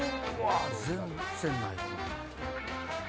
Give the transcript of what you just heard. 全然ないわ！